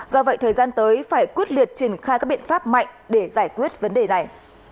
do vậy thời gian tới phải quyết liệt triển khai các biện pháp mạnh để giải quyết vấn đề này